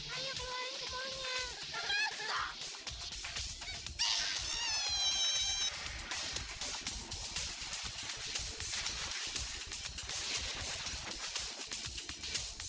ayo keluarin semuanya